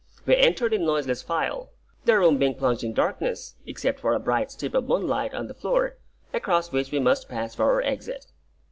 We entered in noiseless file, the room being plunged in darkness, except for a bright strip of moonlight on the floor, across which we must pass for our exit.